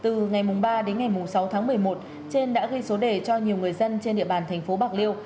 từ ngày ba đến ngày sáu tháng một mươi một trên đã ghi số đề cho nhiều người dân trên địa bàn thành phố bạc liêu